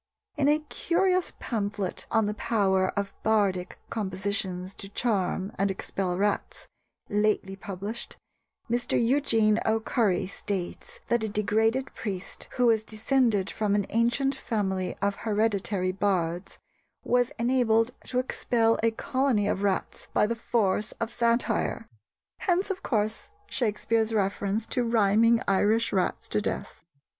In a curious pamphlet on the power of bardic compositions to charm and expel rats, lately published, Mr. Eugene O'Curry states that a degraded priest, who was descended from an ancient family of hereditary bards, was enabled to expel a colony of rats by the force of satire!" Hence, of course, Shakespeare's reference to rhyming Irish rats to death.